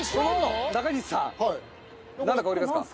中西さん何だか分かりますか？